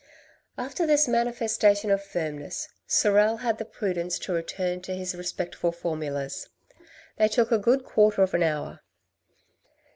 After this manifestation of firmness, Sorel had the prudence to return to his respectful formulas ; they took a good quarter of an hour.